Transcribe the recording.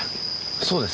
そうですね。